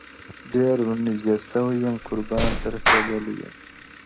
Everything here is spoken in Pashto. ډير ور نيژدې سوى يم قربان ته رسېدلى يــم.